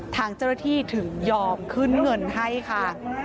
ทางเจ้าหน้าที่ถึงยอมขึ้นเงินให้ค่ะ